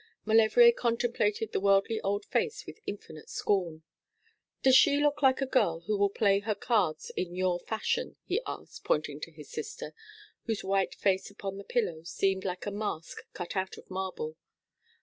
Maulevrier contemplated the worldly old face with infinite scorn. 'Does she look like a girl who will play her cards in your fashion?' he asked, pointing to his sister, whose white face upon the pillow seemed like a mask cut out of marble.